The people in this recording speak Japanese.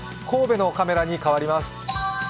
神戸のカメラに替わります。